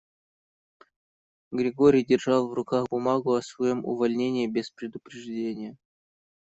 Григорий держал в руках бумагу о своём увольнении без предупреждения.